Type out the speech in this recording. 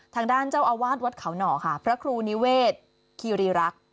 ทางด้านเจ้าอาวาสวัดเขาหน่อค่ะพระครูนิเวศคีรีรักษ์